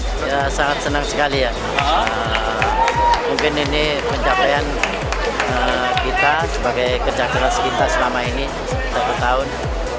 saya sangat senang sekali ya mungkin ini pencapaian kita sebagai kerja keras kita selama ini satu tahun